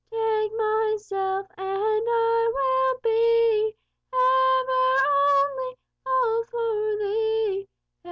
Take myself, and I will be Ever, only, ALL for Thee.